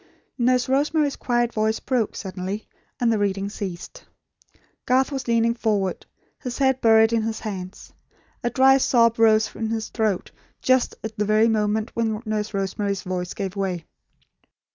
Nurse Rosemary's quiet voice broke, suddenly; and the reading ceased. Garth was leaning forward, his head buried in his hands. A dry sob rose in his throat, just at the very moment when Nurse Rosemary's voice gave way.